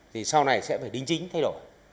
thì sau này sẽ phải đính chính thay đổi